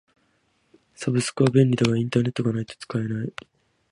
サブスクは便利だがインターネットがないと使えない。